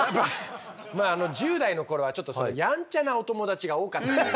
１０代の頃はちょっとそのやんちゃなお友達が多かったというか。